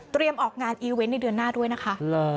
ออกงานอีเวนต์ในเดือนหน้าด้วยนะคะ